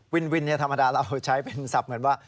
วินวินธรรมดาเราใช้เป็นศัพท์เหมือนว่า